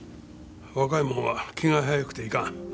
若い者は気が早くていかん。